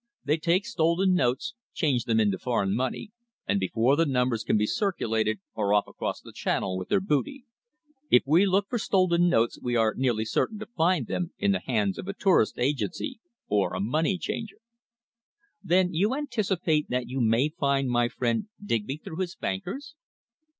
They take stolen notes, change them into foreign money, and before the numbers can be circulated are off across the Channel with their booty. If we look for stolen notes we are nearly certain to find them in the hands of a tourist agency or a money changer." "Then you anticipate that you may find my friend Digby through his bankers?"